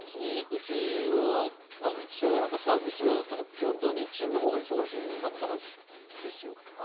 うちは父親なんかサービス業だったから基本、土日のほうが忙しかったんですよ。